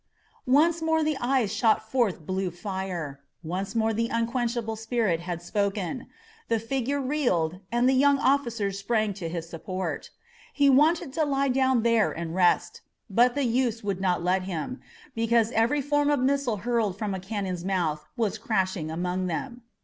Once more the eyes shot forth blue fire. Once more the unquenchable spirit had spoken. The figure reeled, and the young officers sprang to his support. He wanted to lie down there and rest, but the youths would not let him, because every form of missile hurled from a cannon's mouth was crashing among them.